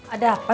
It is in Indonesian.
ada apa sih pak